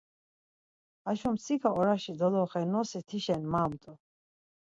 Haşo mtsika oraşi doloxe nosi tişen mamt̆u.